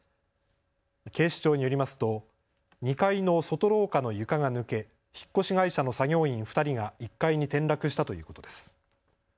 警視庁によりますと２階の外廊下の床が抜け引っ越し会社の作業員２人が１階に転落したということです。